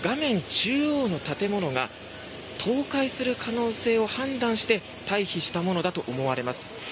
中央の建物が倒壊する可能性を判断して退避したものだと思われます。